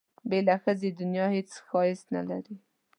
بې له ښځې دنیا هېڅ ښایست نه لري.